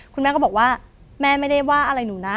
คุณแม่ก็บอกว่าแม่ไม่ได้ว่าอะไรหนูนะ